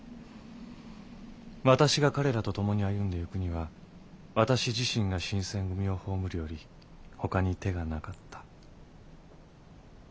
私が彼らと共に歩んでいくには私自身が新選組を葬るよりほかに手がなかった。